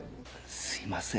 すいません